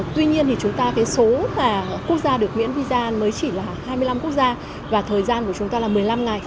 tuy nhiên số quốc gia được viễn visa mới chỉ là hai mươi năm quốc gia và thời gian của chúng ta là một mươi năm ngày